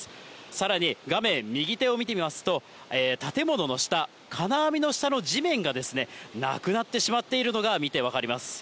さらに画面右手を見てみますと、建物の下、金網の下の地面がなくなってしまっているのが見て分かります。